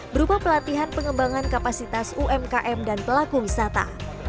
berupa pelatihan pengembangan kapasitas umkm dan pelaku wisata